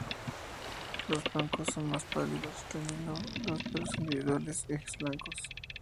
Los flancos son más pálidos, teniendo los pelos individuales ejes blancos.